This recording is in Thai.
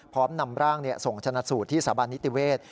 พร้อมนำร่างส่งชนะสูตรที่สถาบันนิติเวศ